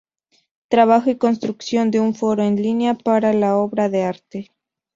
Trabajo y construcción de un foro en línea para la obra de arte.